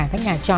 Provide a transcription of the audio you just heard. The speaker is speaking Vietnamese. các nhà trò